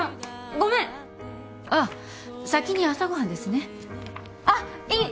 ごめんあっ先に朝ご飯ですねあっいい